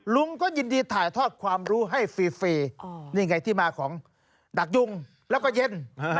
ลุงก็ยินดีถ่ายทอดความรู้ให้ฟรีนี่ไงที่มาของดักยุงแล้วก็เย็น